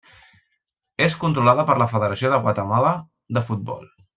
És controlada per la Federació de Guatemala de Futbol.